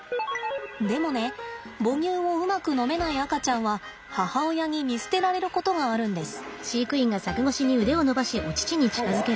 でもね母乳をうまく飲めない赤ちゃんは母親に見捨てられることがあるんです。